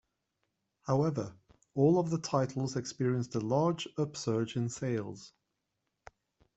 However, all of the titles experienced a large upsurge in sales.